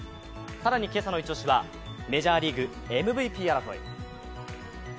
更に今朝のイチ押しは、メジャーリーグ、ＭＶＰ争い。